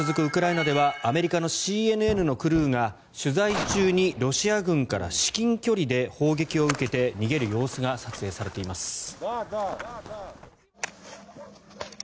ウクライナではアメリカのＣＮＮのクルーが取材中にロシア軍から至近距離で砲撃を受けて逃げる様子が撮影されています。